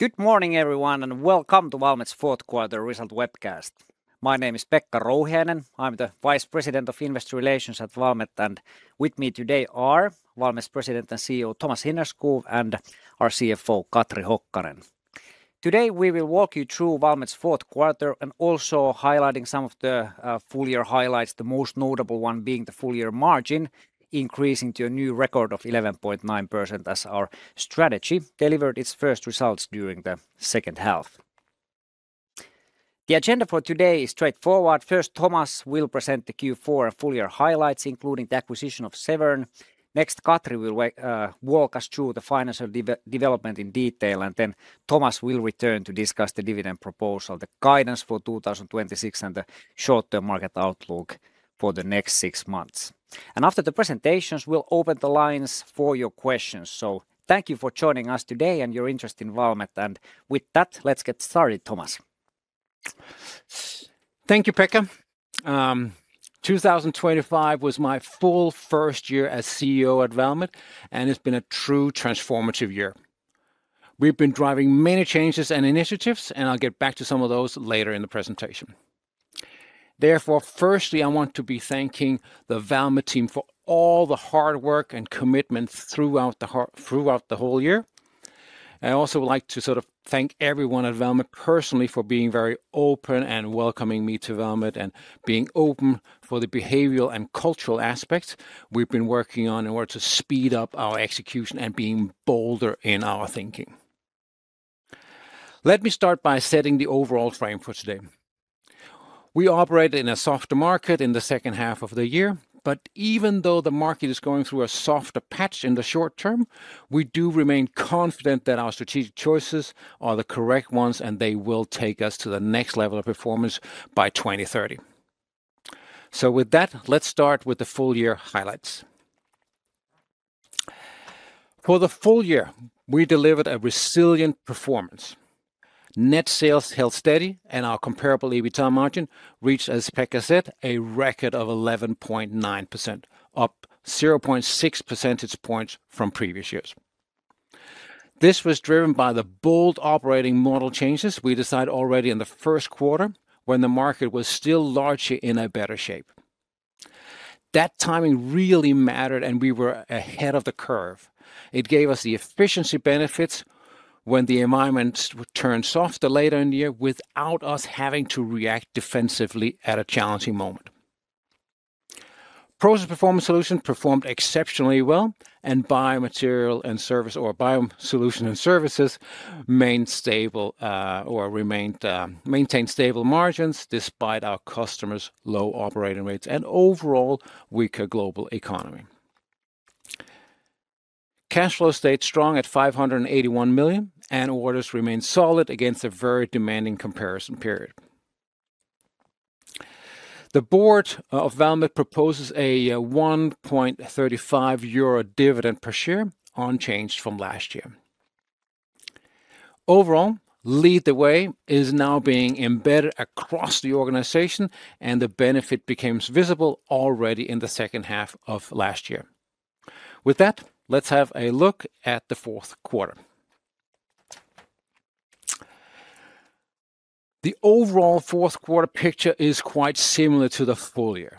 Good morning, everyone, and welcome to Valmet's Fourth Quarter Results Webcast. My name is Pekka Rouhiainen. I'm the Vice President of Investor Relations at Valmet, and with me today are Valmet's President and CEO Thomas Hinnerskov and our CFO Katri Hokkanen. Today we will walk you through Valmet's Fourth Quarter and also highlighting some of the full-year highlights, the most notable one being the full-year margin increasing to a new record of 11.9% as our strategy delivered its first results during the second half. The agenda for today is straightforward. First, Thomas will present the Q4 full-year highlights, including the acquisition of Severn. Next, Katri will walk us through the financial development in detail, and then Thomas will return to discuss the dividend proposal, the guidance for 2026, and the short-term market outlook for the next six months. After the presentations, we'll open the lines for your questions. So thank you for joining us today and your interest in Valmet. And with that, let's get started, Thomas. Thank you, Pekka. 2025 was my full first year as CEO at Valmet, and it's been a true transformative year. We've been driving many changes and initiatives, and I'll get back to some of those later in the presentation. Therefore, firstly, I want to be thanking the Valmet team for all the hard work and commitment throughout the whole year. I also would like to sort of thank everyone at Valmet personally for being very open and welcoming me to Valmet and being open for the behavioral and cultural aspects we've been working on in order to speed up our execution and being bolder in our thinking. Let me start by setting the overall frame for today. We operate in a softer market in the second half of the year, but even though the market is going through a softer patch in the short term, we do remain confident that our strategic choices are the correct ones, and they will take us to the next level of performance by 2030. With that, let's start with the full year highlights. For the full year, we delivered a resilient performance. Net sales held steady, and our comparable EBITDA margin reached, as Pekka said, a record of 11.9%, up 0.6 percentage points from previous years. This was driven by the bold operating model changes we decided already in the first quarter when the market was still largely in a better shape. That timing really mattered, and we were ahead of the curve. It gave us the efficiency benefits when the environment turned softer later in the year without us having to react defensively at a challenging moment. Process Performance Solutions performed exceptionally well, and Biomaterial Solutions and Services maintained stable margins despite our customers' low operating rates and overall weaker global economy. Cash flow stayed strong at 581 million, and orders remained solid against a very demanding comparison period. The board of Valmet proposes a 1.35 euro dividend per share, unchanged from last year. Overall, Lead the Way is now being embedded across the organization, and the benefit became visible already in the second half of last year. With that, let's have a look at the fourth quarter. The overall fourth quarter picture is quite similar to the full year.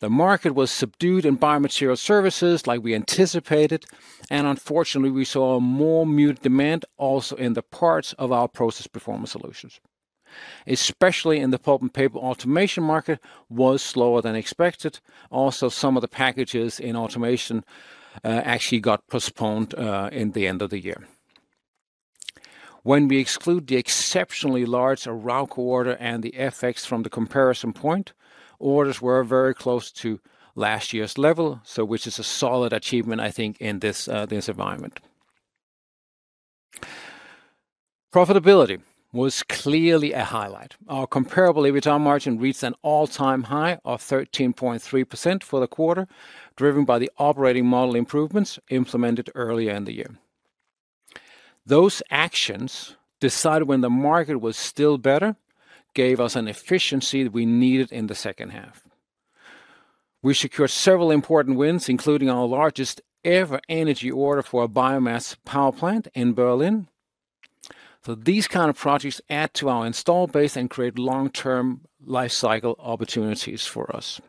The market was subdued in biomaterial services like we anticipated, and unfortunately, we saw more muted demand also in the parts of our Process Performance Solutions. Especially in the pulp and paper automation market was slower than expected. Also, some of the packages in automation actually got postponed in the end of the year. When we exclude the exceptionally large Arauco order and the FX from the comparison point, orders were very close to last year's level, which is a solid achievement, I think, in this environment. Profitability was clearly a highlight. Our Comparable EBITDA margin reached an all-time high of 13.3% for the quarter, driven by the operating model improvements implemented earlier in the year. Those actions decided when the market was still better, gave us an efficiency that we needed in the second half. We secured several important wins, including our largest ever energy order for a biomass power plant in Berlin. So these kinds of projects add to our installed base and create long-term lifecycle opportunities for us.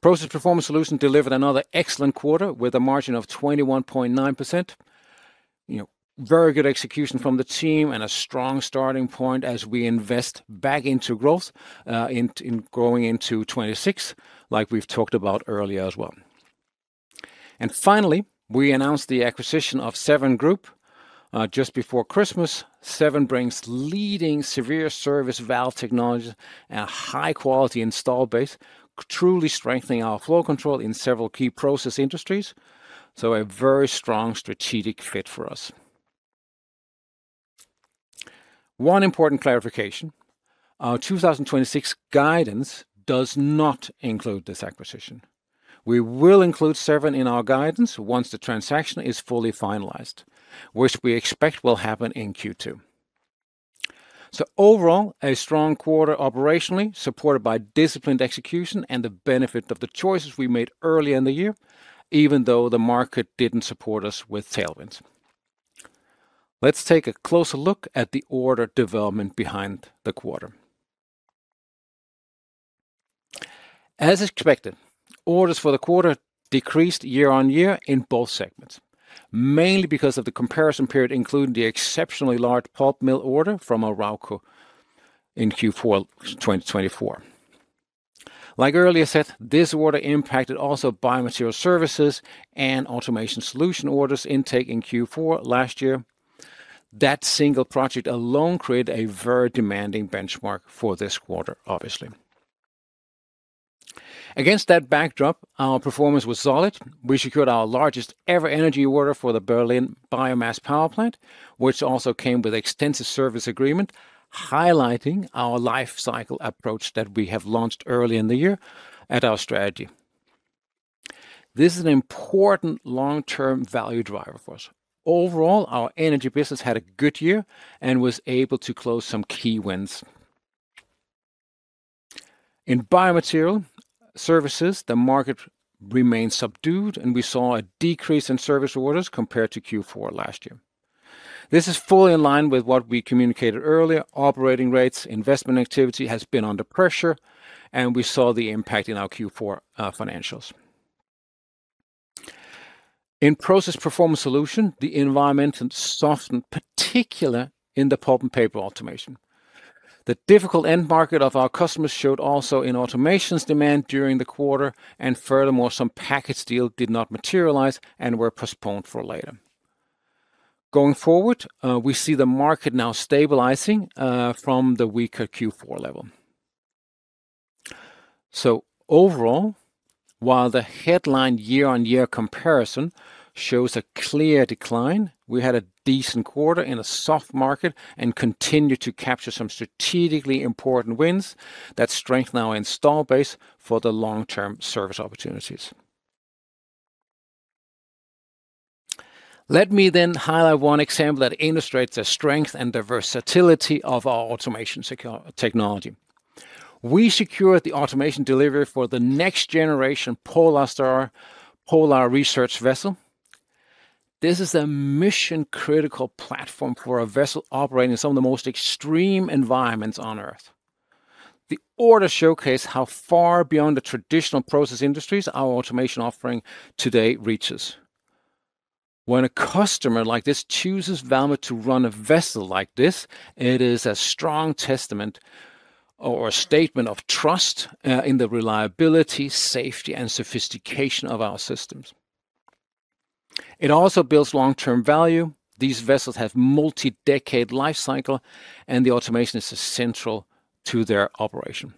Process Performance Solutions delivered another excellent quarter with a margin of 21.9%. Very good execution from the team and a strong starting point as we invest back into growth, growing into 2026, like we've talked about earlier as well. And finally, we announced the acquisition of Severn just before Christmas. Severn brings leading Severe Service Valve technology and a high-quality installed base, truly strengthening our Flow Control in several key process industries. So a very strong strategic fit for us. One important clarification: our 2026 guidance does not include this acquisition. We will include Severn in our guidance once the transaction is fully finalized, which we expect will happen in Q2. So overall, a strong quarter operationally, supported by disciplined execution and the benefit of the choices we made earlier in the year, even though the market didn't support us with tailwinds. Let's take a closer look at the order development behind the quarter. As expected, orders for the quarter decreased year on year in both segments, mainly because of the comparison period, including the exceptionally large pulp mill order from Arauco in Q4 2024. Like earlier said, this order impacted also biomaterial services and automation solution orders intake in Q4 last year. That single project alone created a very demanding benchmark for this quarter, obviously. Against that backdrop, our performance was solid. We secured our largest ever energy order for the Berlin Biomass Power Plant, which also came with an extensive service agreement, highlighting our lifecycle approach that we have launched early in the year at our strategy. This is an important long-term value driver for us. Overall, our energy business had a good year and was able to close some key wins. In biomaterial services, the market remained subdued, and we saw a decrease in service orders compared to Q4 last year. This is fully in line with what we communicated earlier. Operating rates, investment activity has been under pressure, and we saw the impact in our Q4 financials. In Process Performance Solutions, the environment softened, particularly in the pulp and paper automation. The difficult end market of our customers showed also in automation demand during the quarter, and furthermore, some package deals did not materialize and were postponed for later. Going forward, we see the market now stabilizing from the weaker Q4 level. Overall, while the headline year-on-year comparison shows a clear decline, we had a decent quarter in a soft market and continued to capture some strategically important wins that strengthen our installed base for the long-term service opportunities. Let me then highlight one example that illustrates the strength and diversity of our automation technology. We secured the automation delivery for the next-generation Polar Star Polar Research Vessel. This is a mission-critical platform for a vessel operating in some of the most extreme environments on Earth. The order showcases how far beyond the traditional process industries our automation offering today reaches. When a customer like this chooses Valmet to run a vessel like this, it is a strong testament or statement of trust in the reliability, safety, and sophistication of our systems. It also builds long-term value. These vessels have a multi-decade lifecycle, and the automation is essential to their operation.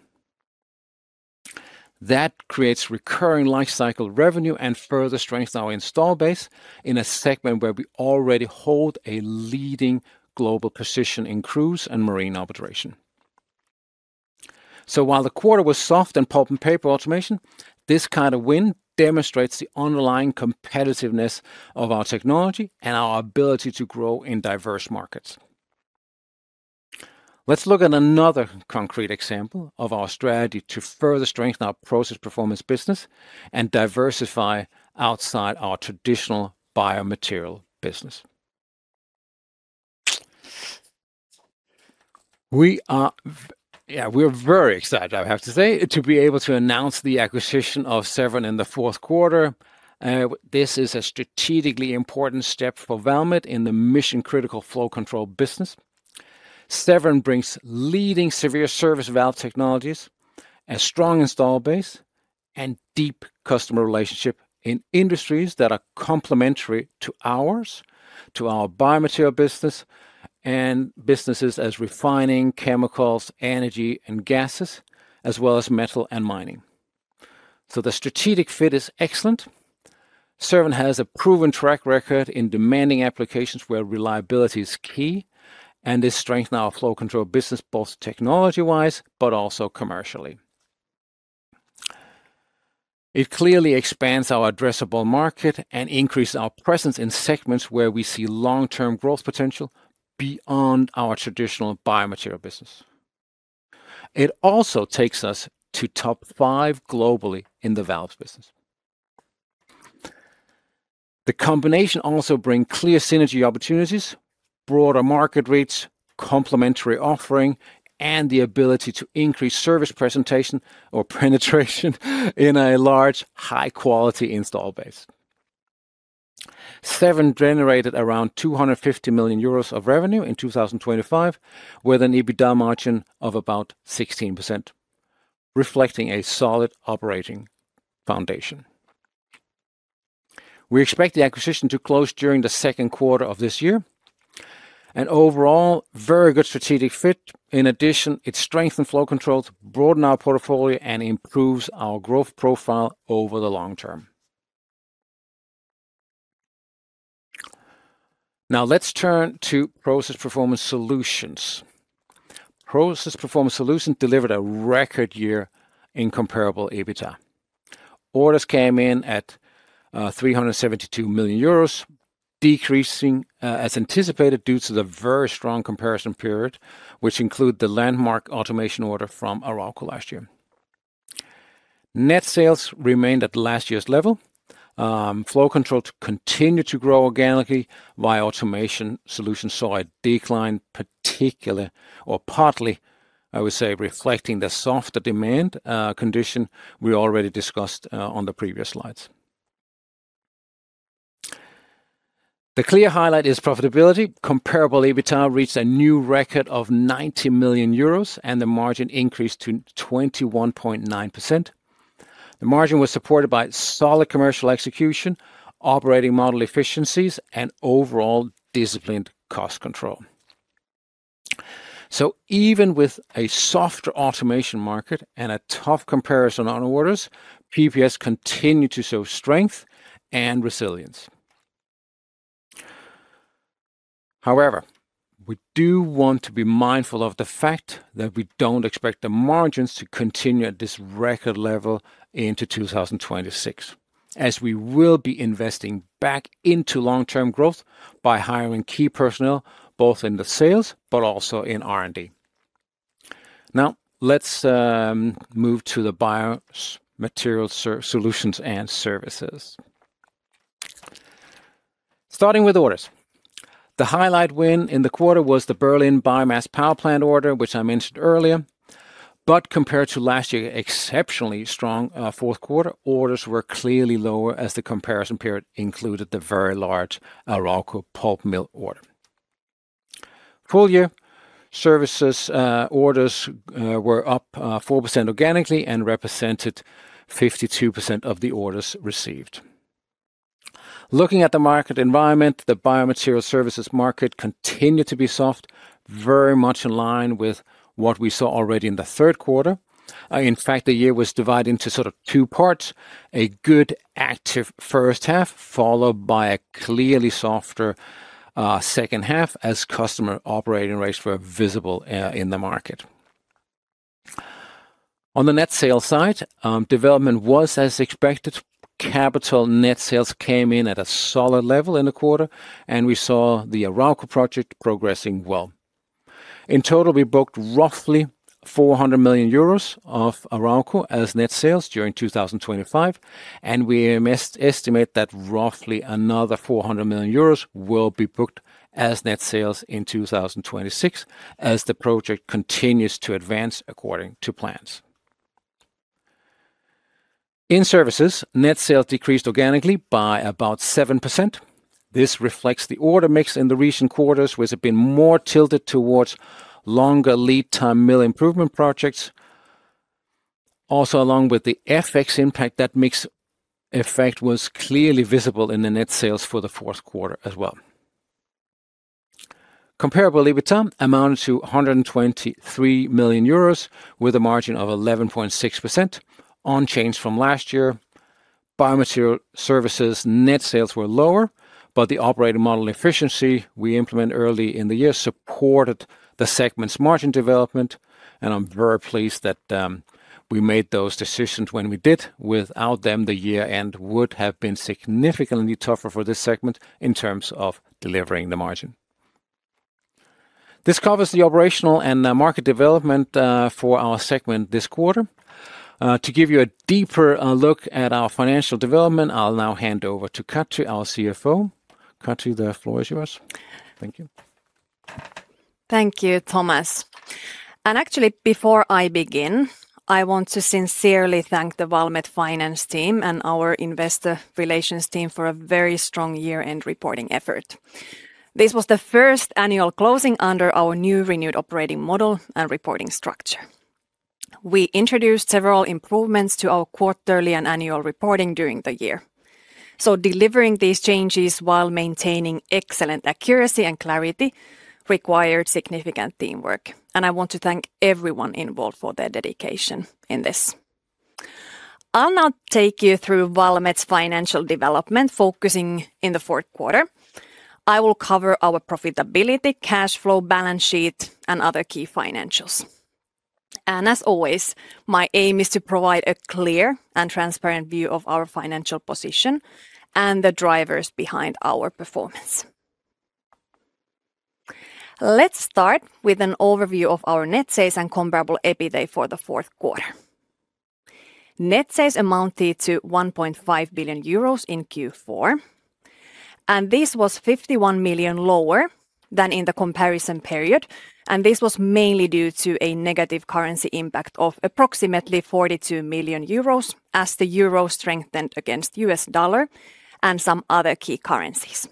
That creates recurring lifecycle revenue and further strengthens our install base in a segment where we already hold a leading global position in cruise and marine automation. So while the quarter was soft in pulp and paper automation, this kind of win demonstrates the underlying competitiveness of our technology and our ability to grow in diverse markets. Let's look at another concrete example of our strategy to further strengthen our process performance business and diversify outside our traditional biomaterial business. We are very excited, I have to say, to be able to announce the acquisition of Severn in the fourth quarter. This is a strategically important step for Valmet in the mission-critical flow control business. Severn brings leading severe service valve technologies, a strong installed base, and deep customer relationships in industries that are complementary to ours, to our biomaterial business and businesses such as refining, chemicals, energy, and gases, as well as metal and mining. So the strategic fit is excellent. Severn has a proven track record in demanding applications where reliability is key and is strengthening our flow control business both technology-wise but also commercially. It clearly expands our addressable market and increases our presence in segments where we see long-term growth potential beyond our traditional biomaterial business. It also takes us to top five globally in the valves business. The combination also brings clear synergy opportunities, broader market reach, complementary offering, and the ability to increase service penetration in a large, high-quality installed base. Severn generated around 250 million euros of revenue in 2025 with an EBITDA margin of about 16%, reflecting a solid operating foundation. We expect the acquisition to close during the second quarter of this year. Overall, very good strategic fit. In addition, it strengthens flow controls, broadens our portfolio, and improves our growth profile over the long term. Now let's turn to Process Performance Solutions. Process Performance Solutions delivered a record year in comparable EBITDA. Orders came in at 372 million euros, decreasing as anticipated due to the very strong comparison period, which includes the landmark automation order from Arauco last year. Net sales remained at last year's level. Flow controls continued to grow organically while automation solutions saw a decline, particularly or partly, I would say, reflecting the softer demand condition we already discussed on the previous slides. The clear highlight is profitability. Comparable EBITDA reached a new record of 90 million euros, and the margin increased to 21.9%. The margin was supported by solid commercial execution, operating model efficiencies, and overall disciplined cost control. So even with a softer automation market and a tough comparison on orders, PPS continued to show strength and resilience. However, we do want to be mindful of the fact that we don't expect the margins to continue at this record level into 2026, as we will be investing back into long-term growth by hiring key personnel both in the sales but also in R&D. Now let's move to the Biomaterial Solutions and Services. Starting with orders, the highlight win in the quarter was the Berlin biomass power plant order, which I mentioned earlier. But compared to last year's exceptionally strong fourth quarter, orders were clearly lower as the comparison period included the very large Arauco pulp mill order. Full year, services orders were up 4% organically and represented 52% of the orders received. Looking at the market environment, the biomaterial services market continued to be soft, very much in line with what we saw already in the third quarter. In fact, the year was divided into two parts: a good active first half followed by a clearly softer second half as customer operating rates were visible in the market. On the net sales side, development was as expected. Capital net sales came in at a solid level in the quarter, and we saw the Arauco project progressing well. In total, we booked roughly 400 million euros of Arauco as net sales during 2025, and we estimate that roughly another 400 million euros will be booked as net sales in 2026 as the project continues to advance according to plans. In services, net sales decreased organically by about 7%. This reflects the order mix in the recent quarters, which had been more tilted towards longer lead-time mill improvement projects. Also, along with the FX impact, that mix effect was clearly visible in the net sales for the fourth quarter as well. Comparable EBITDA amounted to 123 million euros with a margin of 11.6%, unchanged from last year. Biomaterial Services net sales were lower, but the operating model efficiency we implemented early in the year supported the segment's margin development. I'm very pleased that we made those decisions when we did. Without them, the year-end would have been significantly tougher for this segment in terms of delivering the margin. This covers the operational and market development for our segment this quarter. To give you a deeper look at our financial development, I'll now hand over to Katri, our CFO. Katri, the floor is yours. Thank you. Thank you, Thomas. And actually, before I begin, I want to sincerely thank the Valmet Finance team and our investor relations team for a very strong year-end reporting effort. This was the first annual closing under our new renewed operating model and reporting structure. We introduced several improvements to our quarterly and annual reporting during the year. So delivering these changes while maintaining excellent accuracy and clarity required significant teamwork. And I want to thank everyone involved for their dedication in this. I'll now take you through Valmet's financial development focusing in the fourth quarter. I will cover our profitability, cash flow balance sheet, and other key financials. And as always, my aim is to provide a clear and transparent view of our financial position and the drivers behind our performance. Let's start with an overview of our net sales and comparable EBITDA for the fourth quarter. Net sales amounted to 1.5 billion euros in Q4. And this was 51 million lower than in the comparison period. This was mainly due to a negative currency impact of approximately 42 million euros as the euro strengthened against the US dollar and some other key currencies.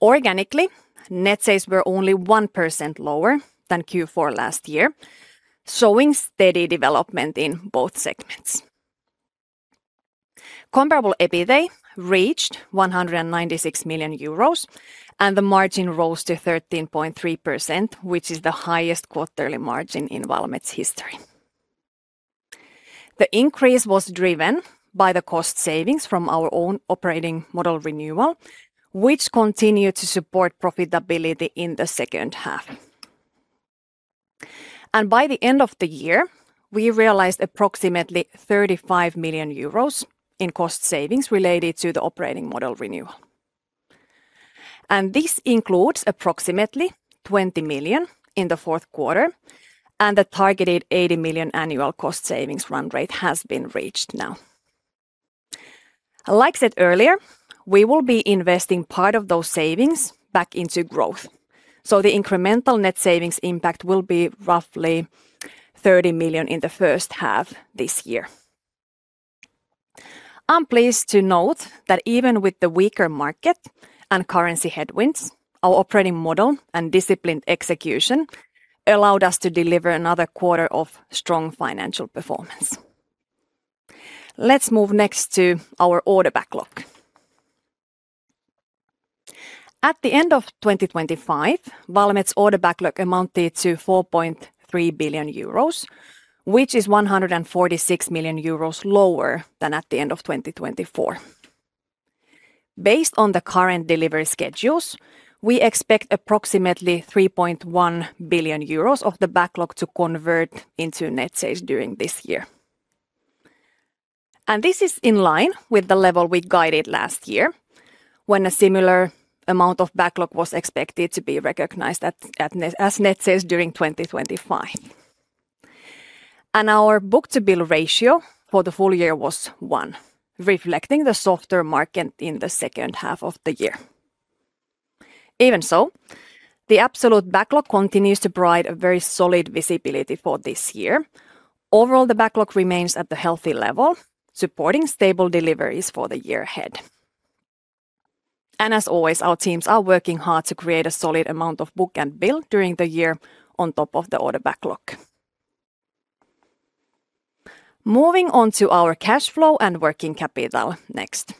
Organically, net sales were only 1% lower than Q4 last year, showing steady development in both segments. Comparable EBITDA reached 196 million euros, and the margin rose to 13.3%, which is the highest quarterly margin in Valmet's history. The increase was driven by the cost savings from our own operating model renewal, which continued to support profitability in the second half. By the end of the year, we realized approximately 35 million euros in cost savings related to the operating model renewal. This includes approximately 20 million in the fourth quarter, and the targeted 80 million annual cost savings run rate has been reached now. Like said earlier, we will be investing part of those savings back into growth. So the incremental net savings impact will be roughly 30 million in the first half this year. I'm pleased to note that even with the weaker market and currency headwinds, our operating model and disciplined execution allowed us to deliver another quarter of strong financial performance. Let's move next to our order backlog. At the end of 2025, Valmet's order backlog amounted to 4.3 billion euros, which is 146 million euros lower than at the end of 2024. Based on the current delivery schedules, we expect approximately 3.1 billion euros of the backlog to convert into net sales during this year. This is in line with the level we guided last year when a similar amount of backlog was expected to be recognized as net sales during 2025. Our book-to-bill ratio for the full year was 1, reflecting the softer market in the second half of the year. Even so, the absolute backlog continues to provide a very solid visibility for this year. Overall, the backlog remains at the healthy level, supporting stable deliveries for the year ahead. As always, our teams are working hard to create a solid amount of book and bill during the year on top of the order backlog. Moving on to our cash flow and working capital next.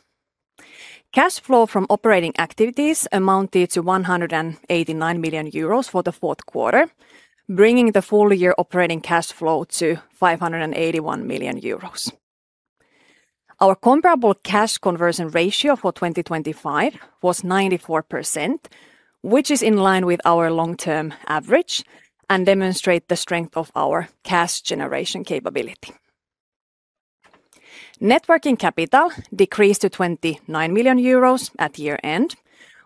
Cash flow from operating activities amounted to 189 million euros for the fourth quarter, bringing the full year operating cash flow to 581 million euros. Our comparable cash conversion ratio for 2025 was 94%, which is in line with our long-term average and demonstrates the strength of our cash generation capability. Net working capital decreased to 29 million euros at year-end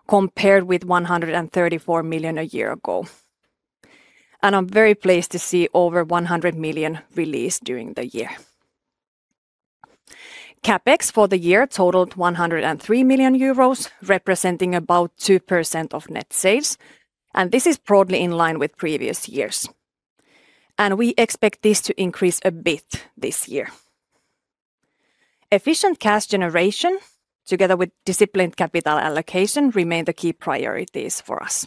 compared with 134 million a year ago. I'm very pleased to see over 100 million released during the year. CapEx for the year totaled 103 million euros, representing about 2% of net sales. This is broadly in line with previous years. We expect this to increase a bit this year. Efficient cash generation, together with disciplined capital allocation, remain the key priorities for us.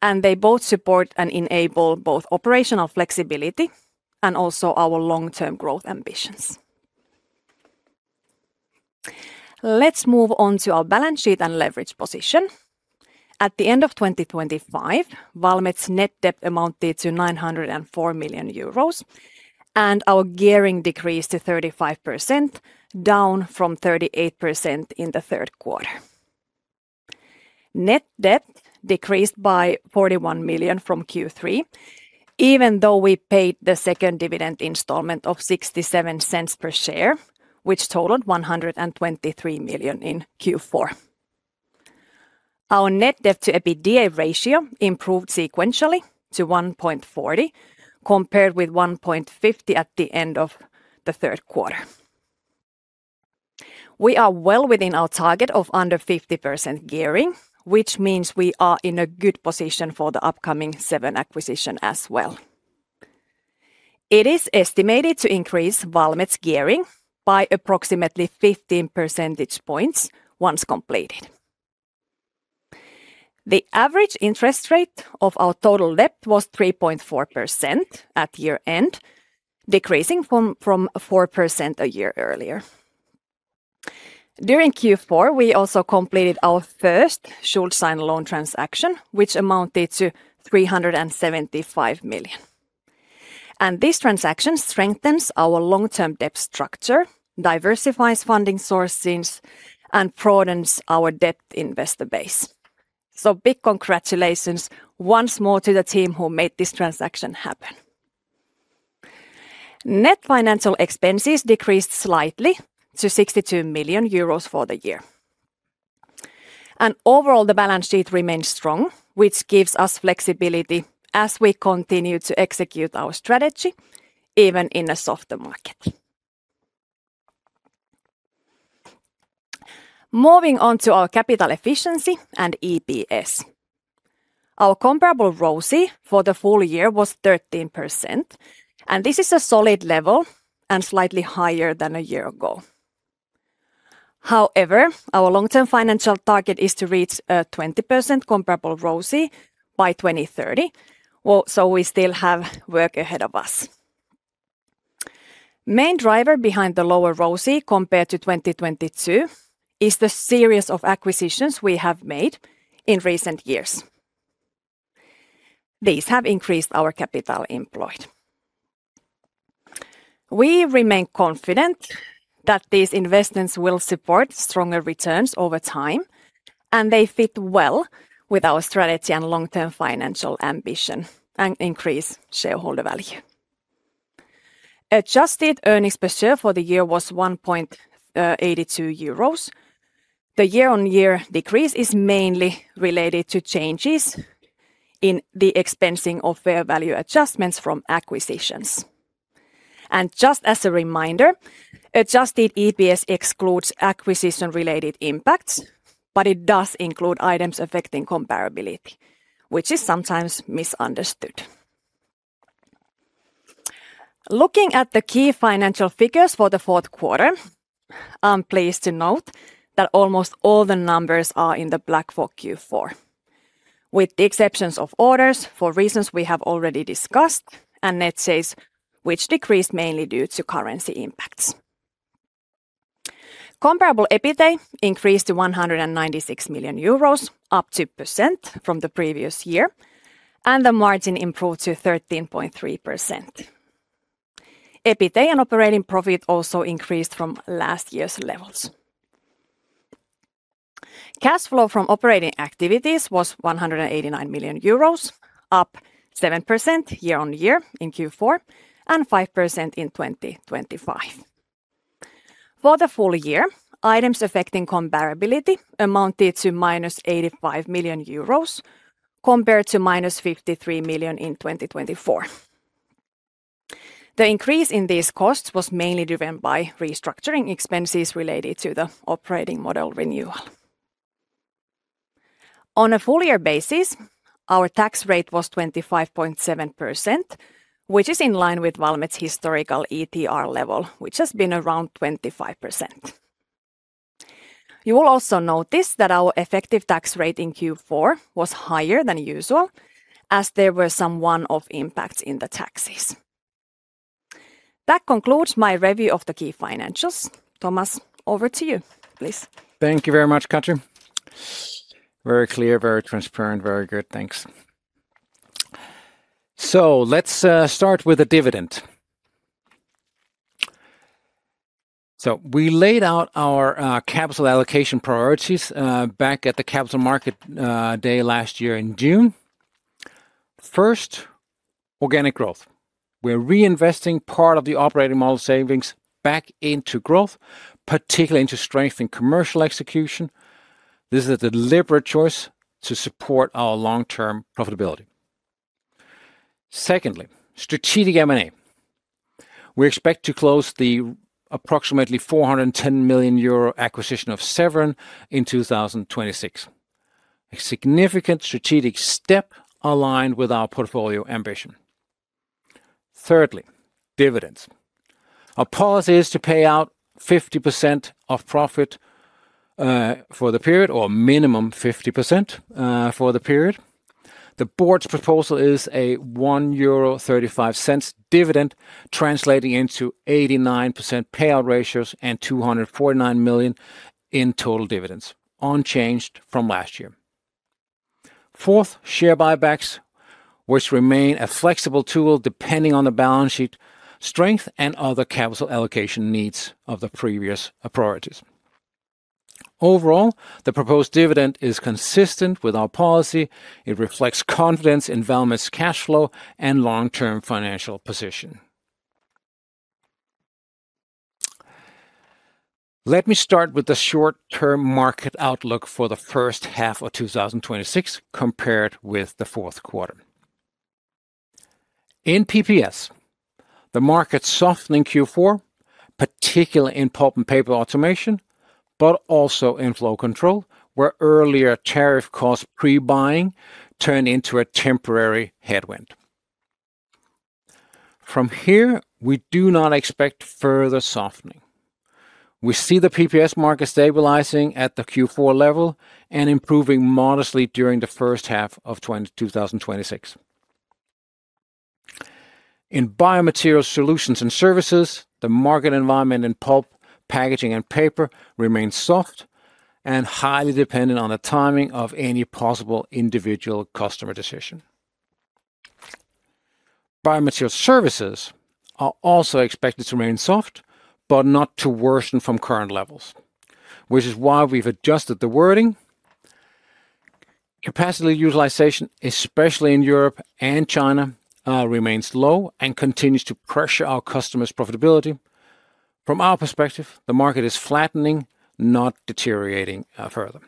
They both support and enable both operational flexibility and also our long-term growth ambitions. Let's move on to our balance sheet and leverage position. At the end of 2025, Valmet's net debt amounted to 904 million euros, and our gearing decreased to 35%, down from 38% in the third quarter. Net debt decreased by 41 million from Q3, even though we paid the second dividend installment of 0.67 per share, which totaled 123 million in Q4. Our net debt-to-EBITDA ratio improved sequentially to 1.40 compared with 1.50 at the end of the third quarter. We are well within our target of under 50% gearing, which means we are in a good position for the upcoming Seven acquisitions as well. It is estimated to increase Valmet's gearing by approximately 15 percentage points once completed. The average interest rate of our total debt was 3.4% at year-end, decreasing from 4% a year earlier. During Q4, we also completed our first Schuldschein loan transaction, which amounted to 375 million. This transaction strengthens our long-term debt structure, diversifies funding sources, and broadens our debt investor base. Big congratulations once more to the team who made this transaction happen. Net financial expenses decreased slightly to 62 million euros for the year. Overall, the balance sheet remains strong, which gives us flexibility as we continue to execute our strategy even in a softer market. Moving on to our capital efficiency and EPS. Our comparable ROCE for the full year was 13%, and this is a solid level and slightly higher than a year ago. However, our long-term financial target is to reach a 20% comparable ROCE by 2030, so we still have work ahead of us. The main driver behind the lower ROCE compared to 2022 is the series of acquisitions we have made in recent years. These have increased our capital employed. We remain confident that these investments will support stronger returns over time, and they fit well with our strategy and long-term financial ambition and increase shareholder value. Adjusted earnings per share for the year was 1.82 euros. The year-on-year decrease is mainly related to changes in the expensing of fair value adjustments from acquisitions. Just as a reminder, adjusted EPS excludes acquisition-related impacts, but it does include items affecting comparability, which is sometimes misunderstood. Looking at the key financial figures for the fourth quarter, I'm pleased to note that almost all the numbers are in the black for Q4, with the exceptions of orders for reasons we have already discussed and net sales, which decreased mainly due to currency impacts. Comparable EBITDA increased to 196 million euros, up 2% from the previous year, and the margin improved to 13.3%. EBITDA and operating profit also increased from last year's levels. Cash flow from operating activities was 189 million euros, up 7% year-on-year in Q4 and 5% in 2025. For the full year, items affecting comparability amounted to -85 million euros compared to -53 million in 2024. The increase in these costs was mainly driven by restructuring expenses related to the operating model renewal. On a full-year basis, our tax rate was 25.7%, which is in line with Valmet's historical ETR level, which has been around 25%. You will also notice that our effective tax rate in Q4 was higher than usual as there were some one-off impacts in the taxes. That concludes my review of the key financials. Thomas, over to you, please. Thank you very much, Katri. Very clear, very transparent, very good. Thanks. So let's start with the dividend. So we laid out our capital allocation priorities back at the capital market day last year in June. First, organic growth. We're reinvesting part of the operating model savings back into growth, particularly into strengthening commercial execution. This is a deliberate choice to support our long-term profitability. Secondly, strategic M&A. We expect to close the approximately 410 million euro acquisition of Severn in 2026. A significant strategic step aligned with our portfolio ambition. Thirdly, dividends. Our policy is to pay out 50% of profit for the period or minimum 50% for the period. The board's proposal is a 1.35 euro dividend translating into 89% payout ratios and 249 million in total dividends, unchanged from last year. Fourth, share buybacks, which remain a flexible tool depending on the balance sheet strength and other capital allocation needs of the previous priorities. Overall, the proposed dividend is consistent with our policy. It reflects confidence in Valmet's cash flow and long-term financial position. Let me start with the short-term market outlook for the first half of 2026 compared with the fourth quarter. In PPS, the market softened in Q4, particularly in pulp and paper automation, but also in Flow Control, where earlier tariff-cost pre-buying turned into a temporary headwind. From here, we do not expect further softening. We see the PPS market stabilizing at the Q4 level and improving modestly during the first half of 2026. In Biomaterial Solutions and Services, the market environment in pulp, packaging, and paper remains soft and highly dependent on the timing of any possible individual customer decision. Biomaterial Solutions and Services are also expected to remain soft, but not to worsen from current levels, which is why we've adjusted the wording. Capacity utilization, especially in Europe and China, remains low and continues to pressure our customers' profitability. From our perspective, the market is flattening, not deteriorating further.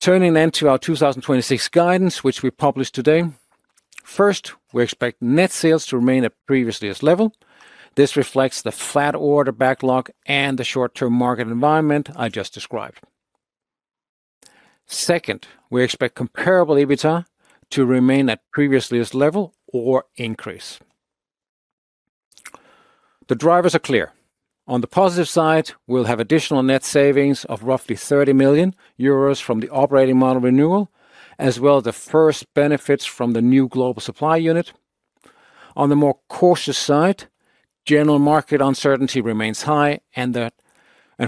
Turning then to our 2026 guidance, which we published today. First, we expect net sales to remain at previous level. This reflects the flat order backlog and the short-term market environment I just described. Second, we expect comparable EBITDA to remain at previous level or increase. The drivers are clear. On the positive side, we'll have additional net savings of roughly 30 million euros from the operating model renewal, as well as the first benefits from the new global supply unit. On the more cautious side, general market uncertainty remains high, and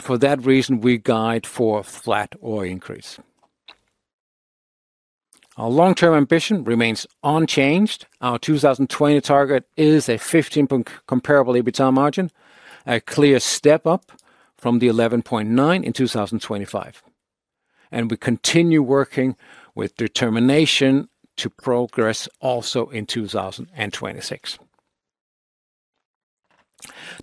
for that reason, we guide for flat or increase. Our long-term ambition remains unchanged. Our 2020 target is a 15-point comparable EBITDA margin, a clear step up from the 11.9 in 2025. We continue working with determination to progress also in 2026.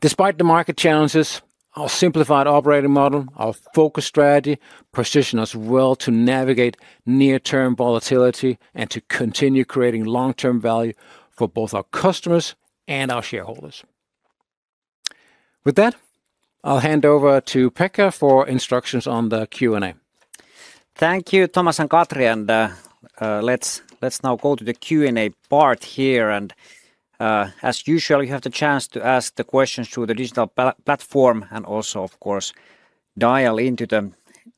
Despite the market challenges, our simplified operating model, our focus strategy position us well to navigate near-term volatility and to continue creating long-term value for both our customers and our shareholders. With that, I'll hand over to Pekka for instructions on the Q&A. Thank you, Thomas and Katri. Let's now go to the Q&A part here. As usual, you have the chance to ask the questions through the digital platform and also, of course, dial into the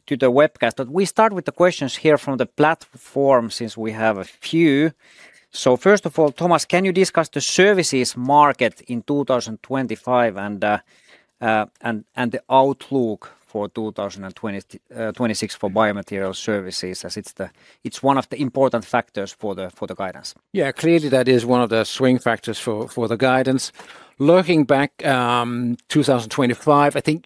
webcast. But we start with the questions here from the platform since we have a few. So first of all, Thomas, can you discuss the Services Market in 2025 and the outlook for 2026 for Biomaterials Services as it's one of the important factors for the guidance? Yeah, clearly that is one of the swing factors for the guidance. Looking back, 2025, I think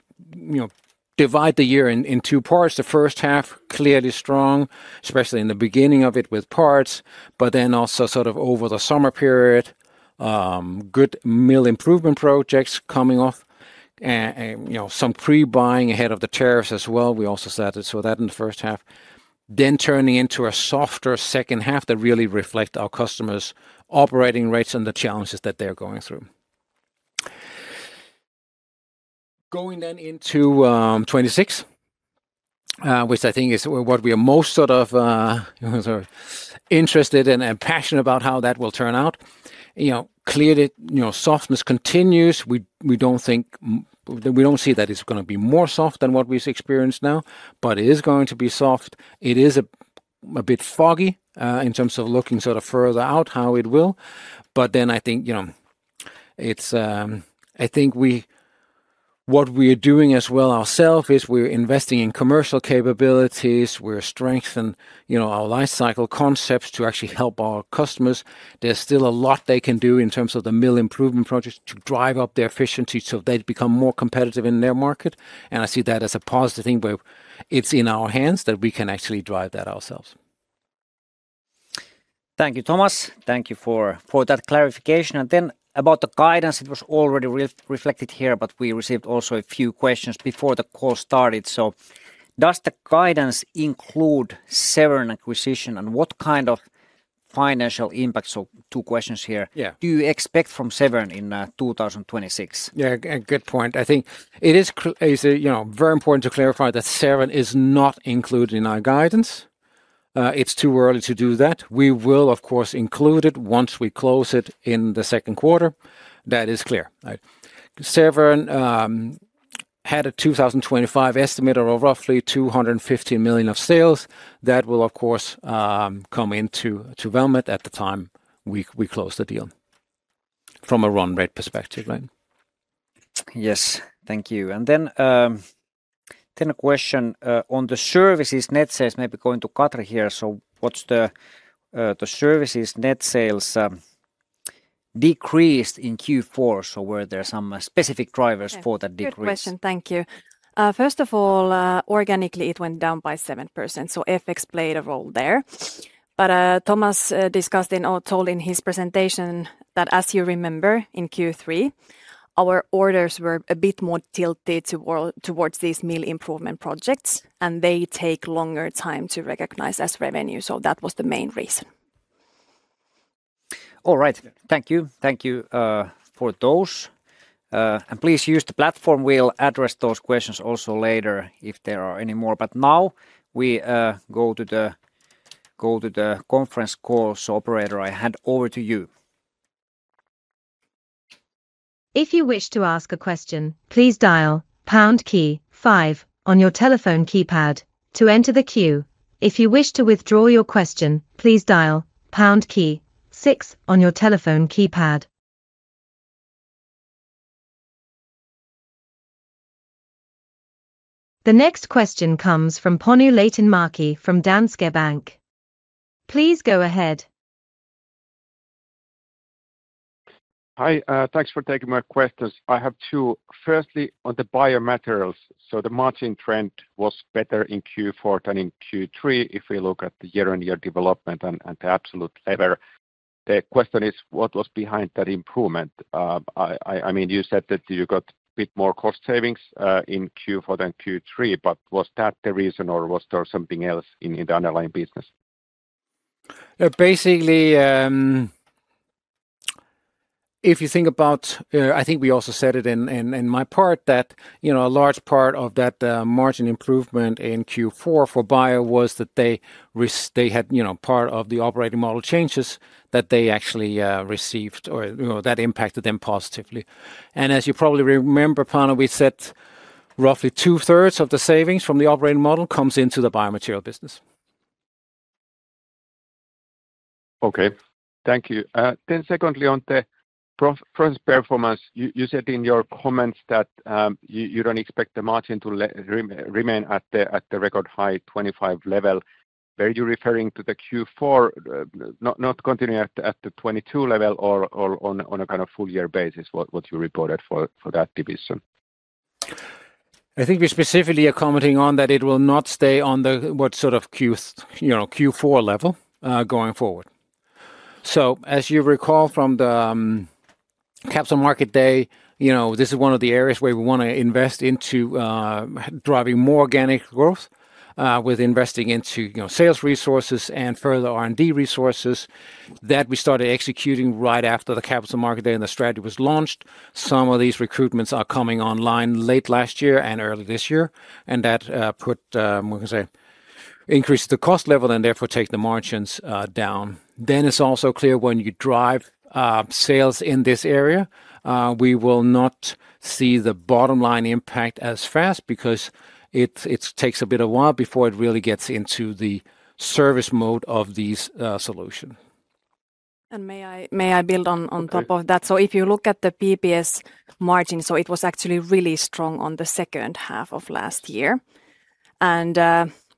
divide the year in two parts. The first half, clearly strong, especially in the beginning of it with parts, but then also sort of over the summer period, good mill improvement projects coming off, some pre-buying ahead of the tariffs as well. We also said so that in the first half. Then turning into a softer second half that really reflects our customers' operating rates and the challenges that they're going through. Going then into 2026, which I think is what we are most sort of interested in and passionate about, how that will turn out. Clearly, softness continues. We don't see that it's going to be more soft than what we've experienced now, but it is going to be soft. It is a bit foggy in terms of looking sort of further out how it will. But then I think what we are doing as well ourselves is we're investing in commercial capabilities. We're strengthening our lifecycle concepts to actually help our customers. There's still a lot they can do in terms of the mill improvement projects to drive up their efficiency so they become more competitive in their market. And I see that as a positive thing where it's in our hands that we can actually drive that ourselves. Thank you, Thomas. Thank you for that clarification. And then about the guidance, it was already reflected here, but we received also a few questions before the call started. So does the guidance include Severn acquisition and what kind of financial impacts? So two questions here. Do you expect from Severn in 2026? Yeah, good point. I think it is very important to clarify that Severn is not included in our guidance. It's too early to do that. We will, of course, include it once we close it in the second quarter. That is clear. Severn had a 2025 estimate of roughly 215 million of sales. That will, of course, come into Valmet at the time we close the deal from a run rate perspective. Yes, thank you. And then a question on the services. Net sales may be going to Katri here. So what's the services net sales decrease in Q4? So were there some specific drivers for that decrease? Good question. Thank you. First of all, organically, it went down by 7%. So FX played a role there. But Thomas discussed and told in his presentation that, as you remember, in Q3, our orders were a bit more tilted towards these mill improvement projects, and they take longer time to recognize as revenue. So that was the main reason. All right. Thank you. Thank you for those. And please use the platform. We'll address those questions also later if there are any more. But now we go to the conference call. So Operator, I hand over to you. If you wish to ask a question, please dial pound key five on your telephone keypad to enter the queue. If you wish to withdraw your question, please dial pound key six on your telephone keypad. The next question comes from Panu Laitinmäki from Danske Bank. Please go ahead. Hi. Thanks for taking my questions. I have two. Firstly, on the biomaterials, the margin trend was better in Q4 than in Q3 if we look at the year-on-year development and the absolute level. The question is, what was behind that improvement? I mean, you said that you got a bit more cost savings in Q4 than Q3, but was that the reason or was there something else in the underlying business? Yeah, basically, if you think about, I think we also said it in my part, that a large part of that margin improvement in Q4 for bio was that they had part of the operating model changes that they actually received or that impacted them positively. And as you probably remember, Panu, we said roughly 2/3 of the savings from the operating model comes into the biomaterial business. Okay. Thank you. Then, secondly, on the performance, you said in your comments that you don't expect the margin to remain at the record high 25 level. Were you referring to the Q4, not continuing at the 22 level or on a kind of full-year basis, what you reported for that division? I think we're specifically accounting on that it will not stay on what's sort of Q4 level going forward. So, as you recall from the capital market day, this is one of the areas where we want to invest into driving more organic growth with investing into sales resources and further R&D resources that we started executing right after the capital market day and the strategy was launched. Some of these recruitments are coming online late last year and early this year. And that put, we can say, increased the cost level and therefore take the margins down. Then it's also clear when you drive sales in this area, we will not see the bottom line impact as fast because it takes a bit of time before it really gets into the service mode of these solutions. And may I build on top of that? So if you look at the PPS margin, so it was actually really strong in the second half of last year. And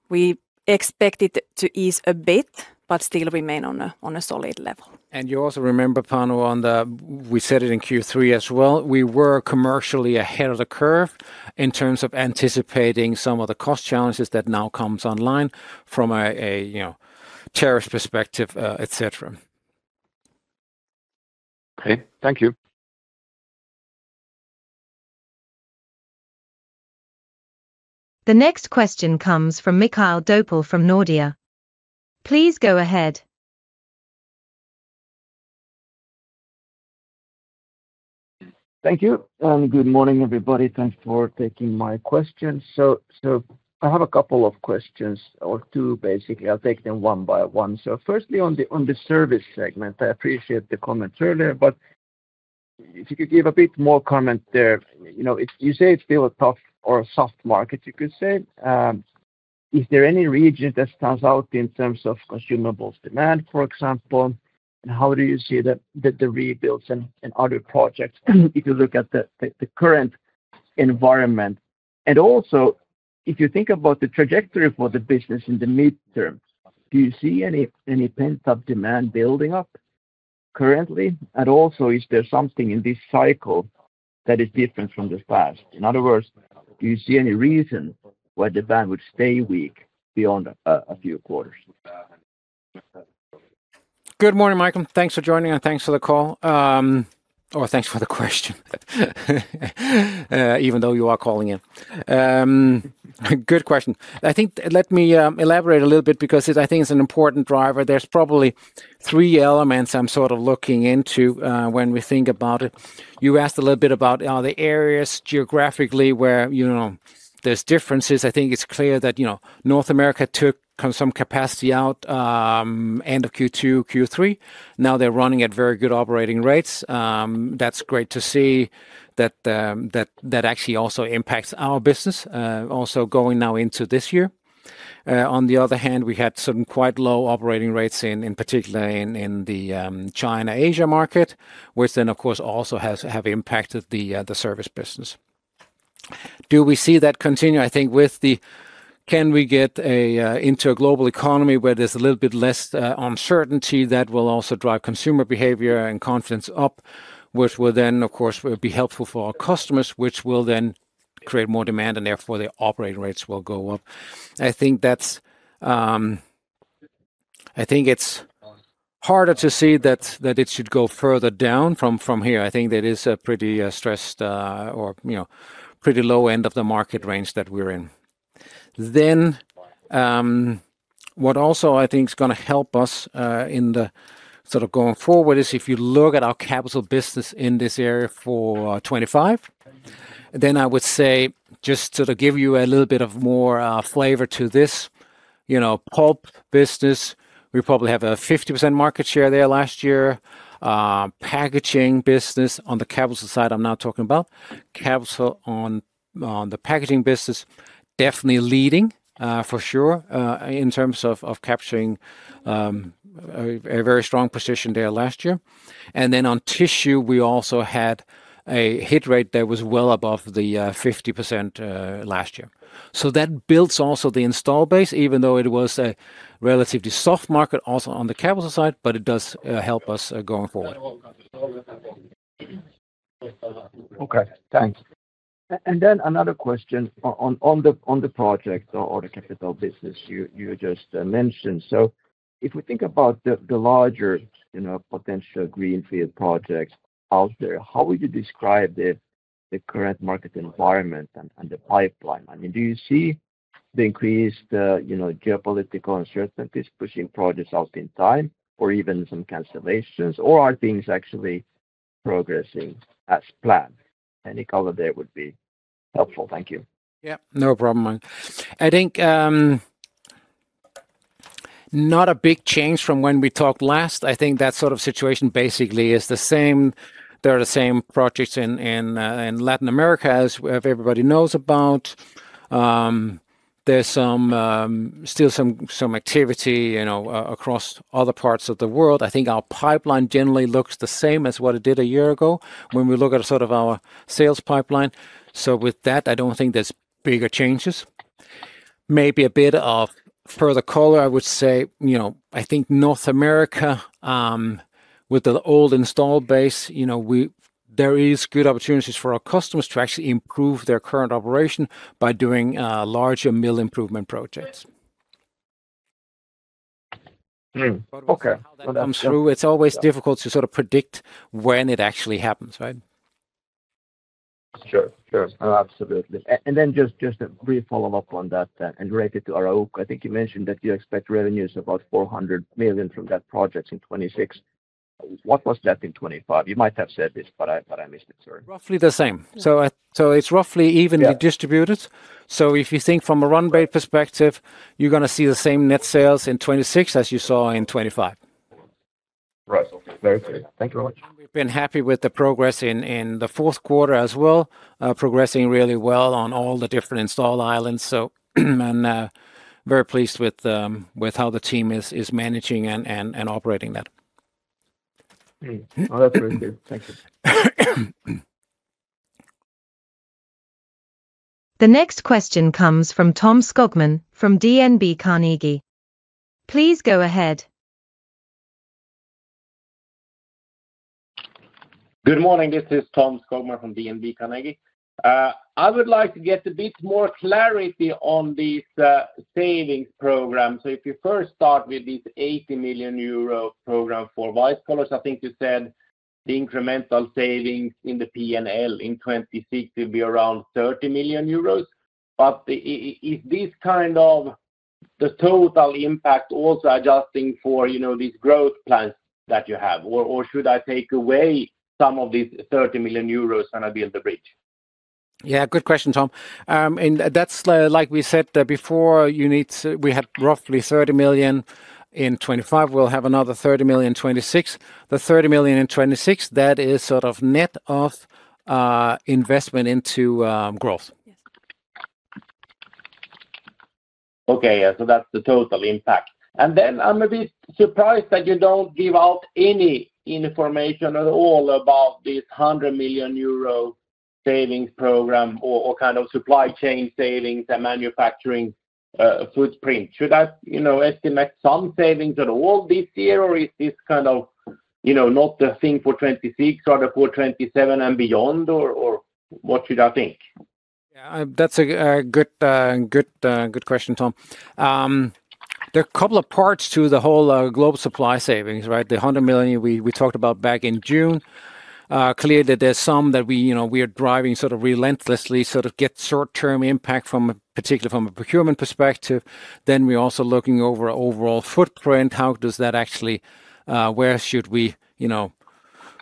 we expected to ease a bit, but still remain on a solid level. And you also remember, Panu, on the webcast we said it in Q3 as well. We were commercially ahead of the curve in terms of anticipating some of the cost challenges that now come online from a tariff perspective, etc. Okay. Thank you. The next question comes from Mikael Doepel from Nordea. Please go ahead. Thank you. Good morning, everybody. Thanks for taking my question. So I have a couple of questions or two, basically. I'll take them one by one. So firstly, on the service segment, I appreciate the comment earlier, but if you could give a bit more comment there. You say it's still a tough or soft market, you could say. Is there any region that stands out in terms of consumables demand, for example? And how do you see the rebuilds and other projects if you look at the current environment? And also, if you think about the trajectory for the business in the midterm, do you see any pent-up demand building up currently? And also, is there something in this cycle that is different from the past? In other words, do you see any reason why demand would stay weak beyond a few quarters? Good morning, Mikael. Thanks for joining and thanks for the call or, thanks for the question, even though you are calling in. Good question. I think, let me elaborate a little bit because I think it's an important driver. There's probably three elements I'm sort of looking into when we think about it. You asked a little bit about the areas geographically where there's differences. I think it's clear that North America took some capacity out end of Q2, Q3. Now they're running at very good operating rates. That's great to see that actually also impacts our business, also going now into this year. On the other hand, we had some quite low operating rates, in particular in the China-Asia market, which then, of course, also have impacted the service business. Do we see that continue? I think, with the can we get into a global economy where there's a little bit less uncertainty that will also drive consumer behavior and confidence up, which will then, of course, be helpful for our customers, which will then create more demand and therefore the operating rates will go up? I think it's harder to see that it should go further down from here. I think that is a pretty stressed or pretty low end of the market range that we're in. What also I think is going to help us in the sort of going forward is if you look at our capital business in this area for 2025, then I would say, just to give you a little bit of more flavor to this, pulp business, we probably have a 50% market share there last year. Packaging business, on the capital side I'm not talking about capital on the packaging business, definitely leading for sure in terms of capturing a very strong position there last year. And then on tissue, we also had a hit rate that was well above the 50% last year. So that builds also the install base, even though it was a relatively soft market also on the capital side, but it does help us going forward. Okay. Thanks. And then another question on the projects or the capital business you just mentioned. So if we think about the larger potential greenfield projects out there, how would you describe the current market environment and the pipeline? I mean, do you see the increased geopolitical uncertainties pushing projects out in time or even some cancellations? Or are things actually progressing as planned? Any color there would be helpful. Thank you. Yeah, no problem, Mike. I think not a big change from when we talked last. I think that sort of situation basically is the same. There are the same projects in Latin America as everybody knows about. There's still some activity across other parts of the world. I think our pipeline generally looks the same as what it did a year ago when we look at sort of our sales pipeline. So with that, I don't think there's bigger changes. Maybe a bit of further color, I would say. I think North America with the old installed base, there are good opportunities for our customers to actually improve their current operation by doing larger mill improvement projects. But when that comes through, it's always difficult to sort of predict when it actually happens, right? Sure. Sure. Absolutely. Then just a brief follow-up on that and related to Arauco, I think you mentioned that you expect revenues of about 400 million from that project in 2026. What was that in 2025? You might have said this, but I missed it, sorry. Roughly the same. So it's roughly evenly distributed. So if you think from a run rate perspective, you're going to see the same net sales in 2026 as you saw in 2025. Right. Okay. Very clear. Thank you very much. And we've been happy with the progress in the fourth quarter as well, progressing really well on all the different install islands. And very pleased with how the team is managing and operating that. Oh, that's very good. Thank you. The next question comes from Tom Skogman from DNB Carnegie. Please go ahead. Good morning. This is Tom Skogman from DNB Carnegie. I would like to get a bit more clarity on these savings programs. So if you first start with this 80 million euro program for white collars, I think you said the incremental savings in the P&L in 2026 will be around 30 million euros. But is this kind of the total impact also adjusting for these growth plans that you have? Or should I take away some of these 30 million euros and I build a bridge? Yeah, good question, Tom. And that's, like we said before, we had roughly 30 million. In 2025, we'll have another 30 million in 2026. The 30 million in 2026, that is sort of net of investment into growth. Yes. Okay. Yeah. So that's the total impact. And then I'm a bit surprised that you don't give out any information at all about this 100 million euro savings program or kind of supply chain savings and manufacturing footprint. Should I estimate some savings at all this year, or is this kind of not the thing for 2026 rather for 2027 and beyond, or what should I think? Yeah, that's a good question, Tom. There are a couple of parts to the whole global supply savings, right? The 100 million we talked about back in June. Clear that there's some that we are driving sort of relentlessly, sort of get short-term impact particularly from a procurement perspective. Then we're also looking over overall footprint. How does that actually where should we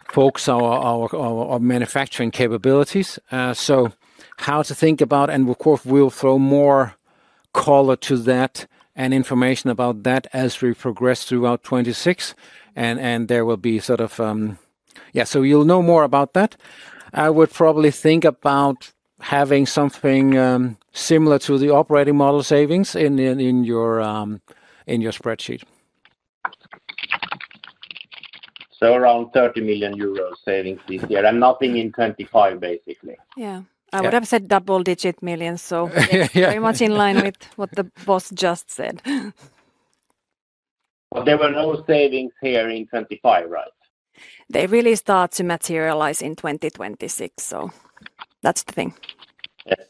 focus our manufacturing capabilities? So how to think about and, of course, we'll throw more color to that and information about that as we progress throughout 2026. And there will be sort of yeah, so you'll know more about that. I would probably think about having something similar to the operating model savings in your spreadsheet. So around 30 million euros savings this year and nothing in 2025, basically? Yeah. I would have said double-digit millions, so very much in line with what the boss just said. But there were no savings here in 2025, right? They really start to materialize in 2026, so that's the thing. Yes.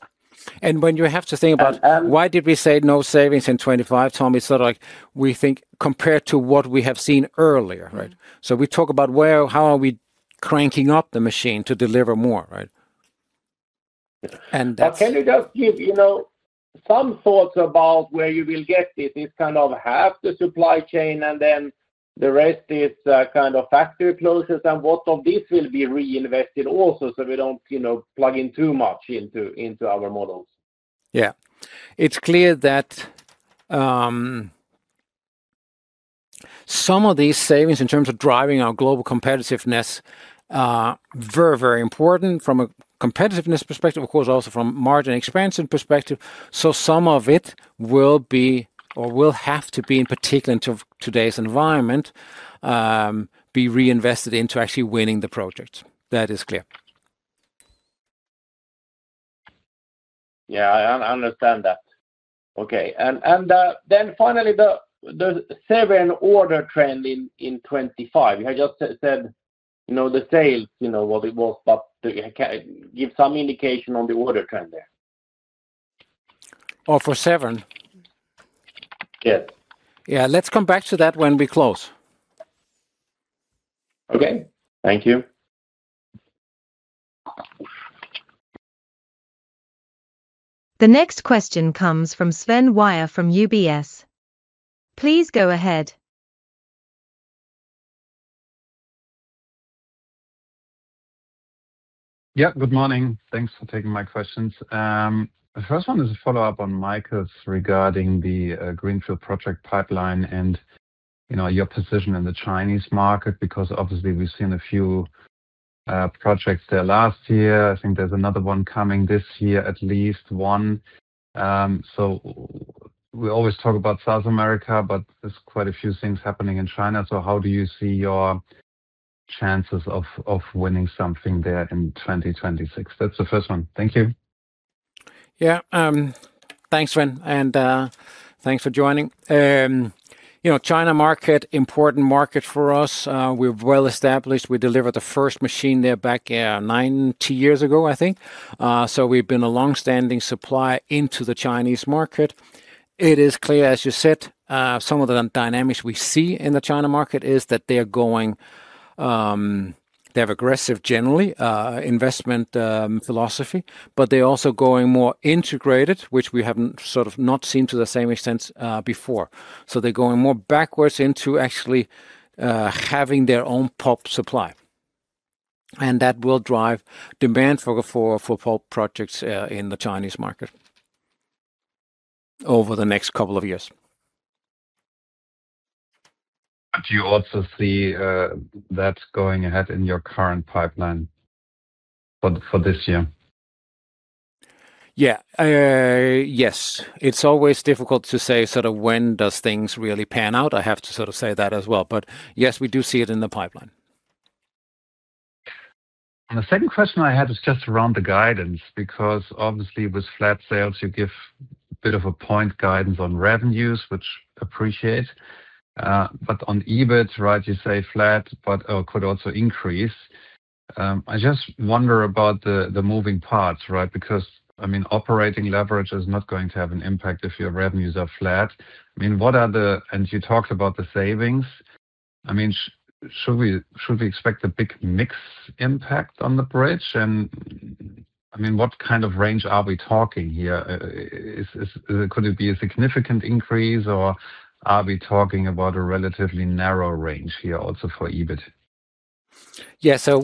And when you have to think about why did we say no savings in 2025, Tom, it's sort of like we think compared to what we have seen earlier, right? So we talk about how are we cranking up the machine to deliver more, right? And that's. But can you just give some thoughts about where you will get this? It's kind of half the supply chain and then the rest is kind of factory closures and what of this will be reinvested also so we don't plug in too much into our models? Yeah. It's clear that some of these savings in terms of driving our global competitiveness are very, very important from a competitiveness perspective, of course, also from margin expansion perspective. So some of it will be or will have to be, in particular, in today's environment, be reinvested into actually winning the projects. That is clear. Yeah, I understand that. Okay. And then finally, the Severn order trend in 2025. You had just said the sales, what it was, but give some indication on the order trend there. Oh, for Severn? Yes. Yeah, let's come back to that when we close. Okay. Thank you. The next question comes from Sven Weier from UBS. Please go ahead. Yeah, good morning. Thanks for taking my questions. The first one is a follow-up on Mikael's regarding the greenfield project pipeline and your position in the Chinese market because, obviously, we've seen a few projects there last year. I think there's another one coming this year, at least one. So we always talk about South America, but there's quite a few things happening in China. So how do you see your chances of winning something there in 2026? That's the first one. Thank you. Yeah. Thanks Sven. And thanks for joining. China market, important market for us. We're well established. We delivered the first machine there back 90 years ago, I think. So we've been a longstanding supplier into the Chinese market. It is clear, as you said, some of the dynamics we see in the China market is that they're going they have aggressive, generally, investment philosophy, but they're also going more integrated, which we haven't sort of not seen to the same extent before. So they're going more backwards into actually having their own pulp supply. And that will drive demand for pulp projects in the Chinese market over the next couple of years. Do you also see that going ahead in your current pipeline for this year? Yeah. Yes. It's always difficult to say sort of when does things really pan out. I have to sort of say that as well. But yes, we do see it in the pipeline. And the second question I had is just around the guidance because, obviously, with flat sales, you give a bit of a point guidance on revenues, which appreciate. But on EBIT, right, you say flat or could also increase. I just wonder about the moving parts, right, because, I mean, operating leverage is not going to have an impact if your revenues are flat. I mean, what are the and you talked about the savings. I mean, should we expect a big mix impact on the bridge? And, I mean, what kind of range are we talking here? Could it be a significant increase, or are we talking about a relatively narrow range here also for EBIT? Yeah. So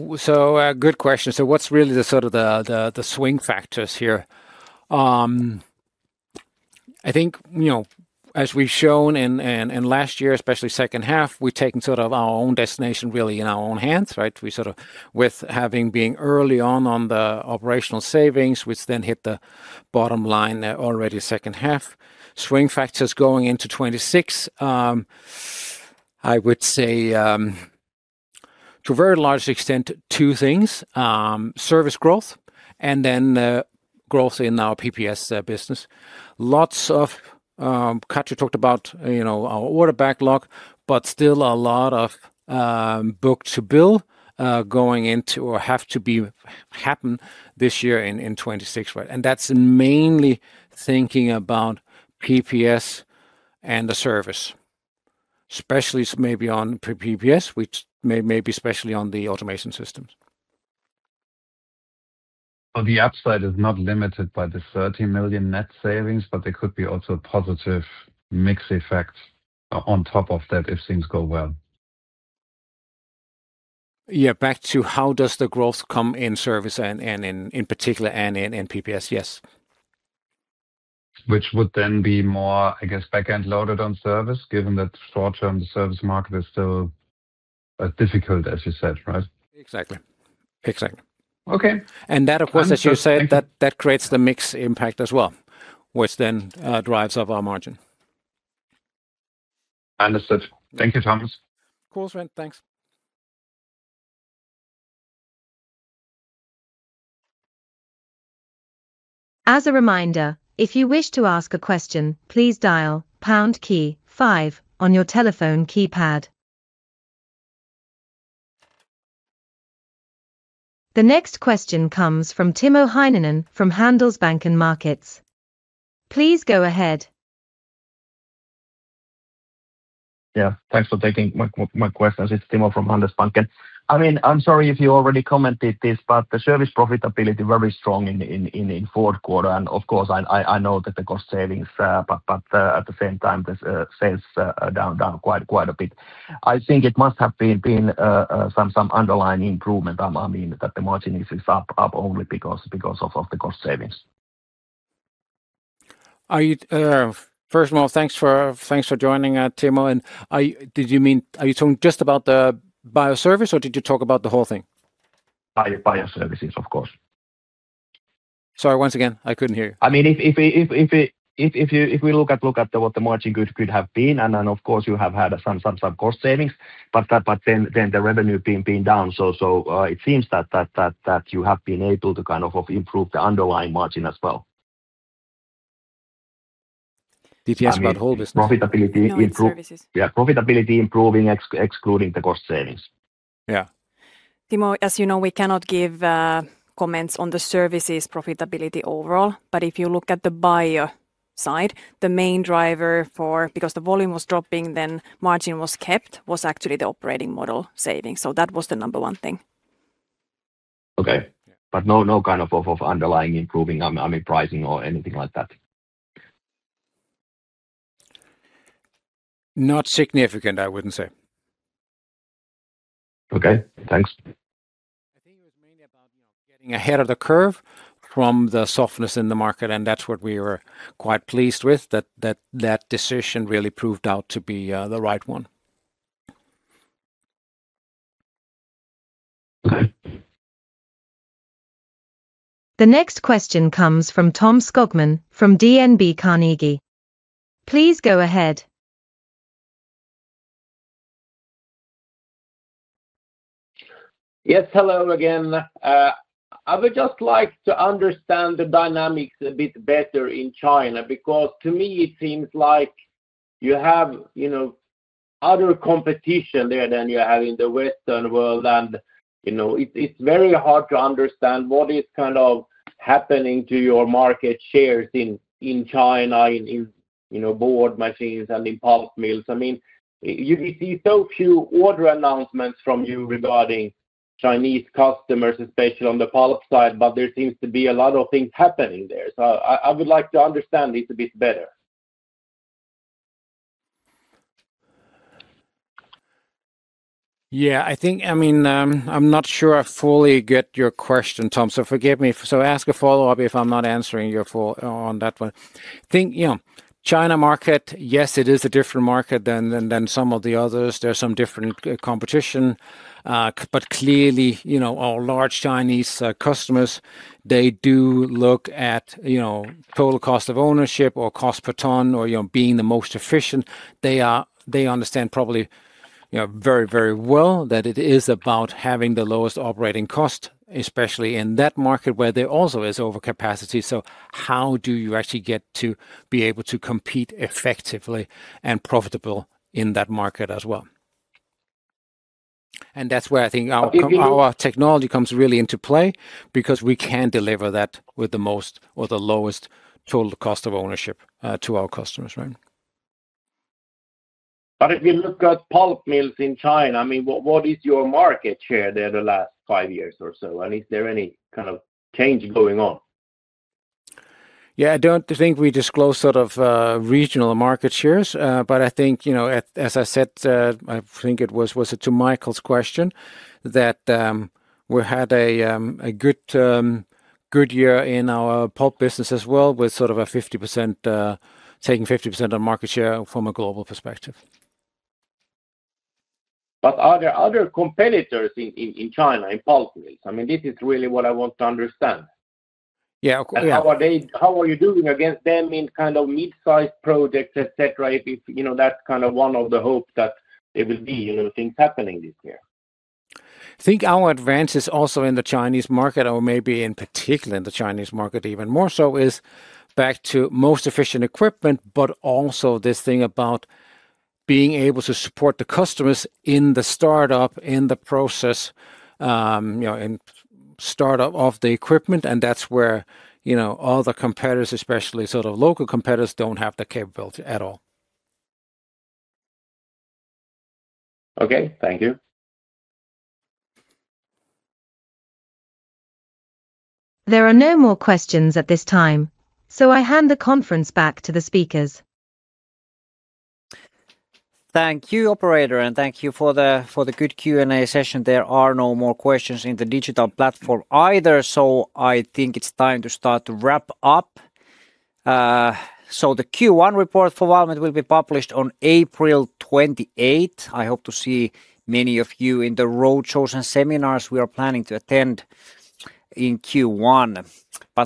good question. So what's really the sort of the swing factors here? I think, as we've shown in last year, especially second half, we've taken sort of our own destination, really, in our own hands, right? With having been early on on the operational savings, which then hit the bottom line already second half. Swing factors going into 2026, I would say, to a very large extent, two things: service growth and then growth in our PPS business. Lots of Katri talked about our order backlog, but still a lot of book to bill going into or have to happen this year in 2026, right? And that's mainly thinking about PPS and the service, especially maybe on PPS, which may be especially on the automation systems. So the upside is not limited by the 30 million net savings, but there could be also a positive mix effect on top of that if things go well. Yeah. Back to how does the growth come in service and, in particular, in PPS? Yes. Which would then be more, I guess, back-end loaded on service given that short-term, the service market is still difficult, as you said, right? Exactly. And that, of course, as you said, that creates the mix impact as well, which then drives up our margin. Understood. Thank you, Thomas. Of course, Sven. Thanks. As a reminder, if you wish to ask a question, please dial pound key five on your telephone keypad. The next question comes from Timo Heinonen from Handelsbanken Markets. Please go ahead. Thanks for taking my question. This is Timo from Handelsbanken. I mean, I'm sorry if you already commented this, but the service profitability is very strong in fourth quarter. And, of course, I know that the cost savings, but at the same time, the sales down quite a bit. I think it must have been some underlying improvement. I mean, that the margin is up only because of the cost savings. First of all, thanks for joining, Timo. And did you mean, are you talking just about the bioservice, or did you talk about the whole thing? Bioservices, of course. Sorry. Once again, I couldn't hear you. I mean, if we look at what the margin could have been, and, of course, you have had some cost savings, but then the revenue being down, so it seems that you have been able to kind of improve the underlying margin as well. Did you ask about whole business? Profitability improving. Yeah. Profitability improving, excluding the cost savings. Timo, as you know, we cannot give comments on the services profitability overall. But if you look at the bio side, the main driver for because the volume was dropping, then margin was kept, was actually the operating model savings. So that was the number one thing. Okay. But no kind of underlying improving, I mean, pricing or anything like that? Not significant, I wouldn't say. Okay. Thanks. I think it was mainly about getting ahead of the curve from the softness in the market. That's what we were quite pleased with, that that decision really proved out to be the right one. Okay. The next question comes from Tom Skogman from DNB Carnegie. Please go ahead. Yes. Hello again. I would just like to understand the dynamics a bit better in China because, to me, it seems like you have other competition there than you have in the Western world. And it's very hard to understand what is kind of happening to your market shares in China, in board machines and in pulp mills. I mean, you see so few order announcements from you regarding Chinese customers, especially on the pulp side, but there seems to be a lot of things happening there. So I would like to understand this a bit better. Yeah. I mean, I'm not sure I fully get your question, Tom. So forgive me. So ask a follow-up if I'm not answering your on that one. I think China market, yes, it is a different market than some of the others. There's some different competition. But clearly, our large Chinese customers, they do look at total cost of ownership or cost per ton or being the most efficient. They understand probably very, very well that it is about having the lowest operating cost, especially in that market where there also is overcapacity. So how do you actually get to be able to compete effectively and profitable in that market as well? And that's where I think our technology comes really into play because we can deliver that with the most or the lowest total cost of ownership to our customers, right? But if you look at pulp mills in China, I mean, what is your market share there the last five years or so? And is there any kind of change going on? Yeah. I don't think we disclose sort of regional market shares. But I think, as I said, I think it was to Mikael's question that we had a good year in our pulp business as well with sort of a 50% taking 50% of market share from a global perspective. But are there other competitors in China, in pulp mills? I mean, this is really what I want to understand. How are you doing against them in kind of midsize projects, etc., if that's kind of one of the hopes that there will be things happening this year? I think our advances also in the Chinese market, or maybe in particular in the Chinese market even more so, is back to most efficient equipment, but also this thing about being able to support the customers in the startup, in the process, in startup of the equipment. And that's where other competitors, especially sort of local competitors, don't have the capability at all. Okay. Thank you. There are no more questions at this time, so I hand the conference back to the speakers. Thank you, Operator, and thank you for the good Q&A session. There are no more questions in the digital platform either, so I think it's time to start to wrap up. The Q1 report for Valmet will be published on April 28. I hope to see many of you in the roadshows and seminars we are planning to attend in Q1.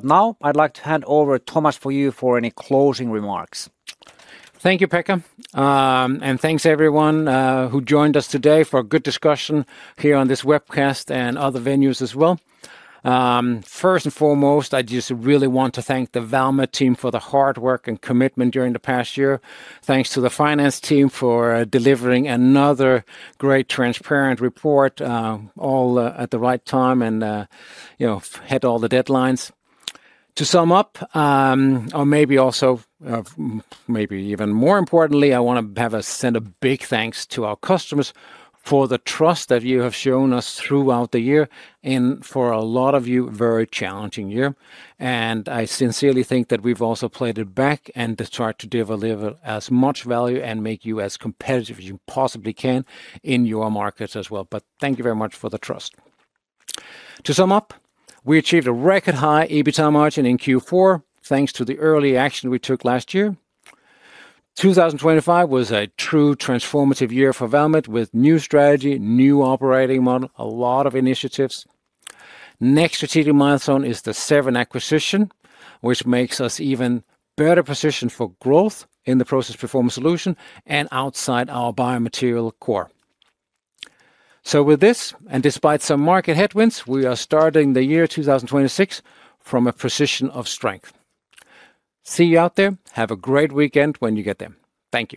Now, I'd like to hand over, Thomas, for you for any closing remarks. Thank you, Pekka. Thanks, everyone who joined us today for a good discussion here on this webcast and other venues as well. First and foremost, I just really want to thank the Valmet team for the hard work and commitment during the past year. Thanks to the finance team for delivering another great, transparent report, all at the right time and hit all the deadlines. To sum up, or maybe also, maybe even more importantly, I want to send a big thanks to our customers for the trust that you have shown us throughout the year and for a lot of you, very challenging year. And I sincerely think that we've also played it back and to try to deliver as much value and make you as competitive as you possibly can in your markets as well. But thank you very much for the trust. To sum up, we achieved a record high EBITDA margin in Q4 thanks to the early action we took last year. 2025 was a true transformative year for Valmet with new strategy, new operating model, a lot of initiatives. Next strategic milestone is the Severn acquisition, which makes us even better positioned for growth in the Process Performance Solutions and outside our Biomaterial core. So with this and despite some market headwinds, we are starting the year 2026 from a position of strength. See you out there. Have a great weekend when you get there. Thank you.